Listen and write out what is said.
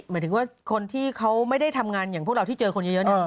หมายถึงว่าคนที่เขาไม่ได้ทำงานอย่างพวกเราที่เจอคนเยอะเนี่ย